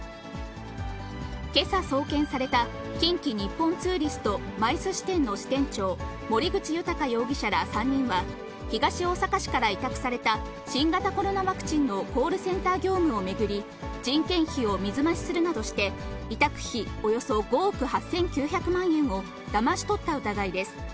けさ送検された近畿日本ツーリストマイス支店の支店長、森口裕容疑者ら３人は、東大阪市から委託された新型コロナワクチンのコールセンター業務を巡り、人件費を水増しするなどして、委託費およそ５億８９００万円をだまし取った疑いです。